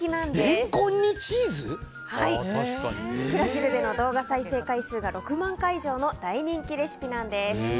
クラシルでの動画再生回数が６万回以上の大人気レシピなんです。